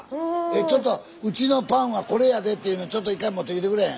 ちょっとうちのパンはこれやでっていうのちょっと一回持ってきてくれへん？